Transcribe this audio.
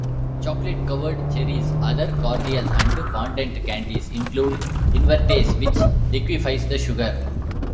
Chocolate-covered cherries, other cordials, and fondant candies include invertase, which liquefies the sugar.